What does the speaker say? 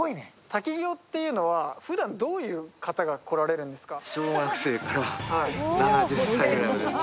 滝行っていうのはふだんどういう方が来られるんですか？